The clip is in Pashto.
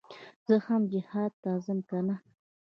زه هم جهاد ته ځم كنه.